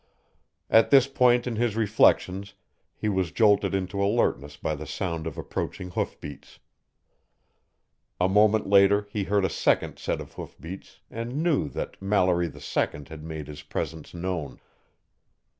At this point in his reflections he was jolted into alertness by the sound of approaching hoofbeats. A moment later he heard a second set of hoofbeats and knew that Mallory II had made his presence known.